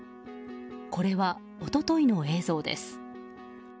これは一昨日の映像です。